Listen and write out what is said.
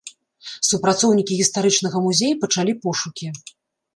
Супрацоўнікі гістарычнага музея пачалі пошукі.